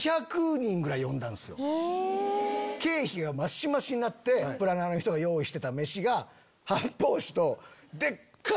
経費が増し増しになってプランナーの人が用意したメシが。